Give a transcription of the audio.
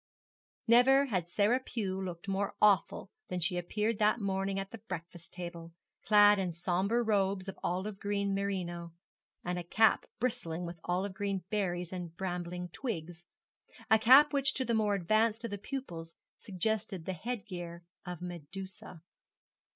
Never had Sarah Pew looked more awful than she appeared that morning at the breakfast table, clad in sombre robes of olive green merino, and a cap bristling with olive green berries and brambly twigs a cap which to the more advanced of the pupils suggested the head gear of Medusa.